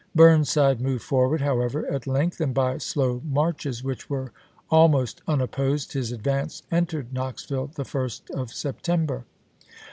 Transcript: Burn side moved forward, however, at length ; and by slow marches, which were almost unopposed, his ad vance entered Knoxville the first of September.